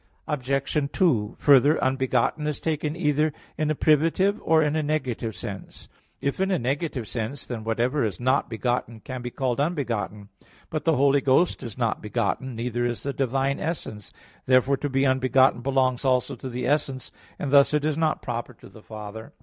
Obj. 2: Further, Unbegotten is taken either in a privative, or in a negative sense. If in a negative sense, then whatever is not begotten can be called unbegotten. But the Holy Ghost is not begotten; neither is the divine essence. Therefore to be unbegotten belongs also to the essence; thus it is not proper to the Father.